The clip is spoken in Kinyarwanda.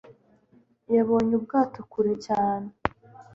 Yabonye ubwato kure cyane.